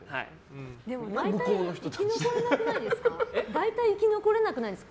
大体生き残れなくないですか